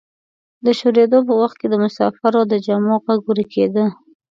د شورېدو په وخت کې د مسافرو د جامو غږ ورکیده.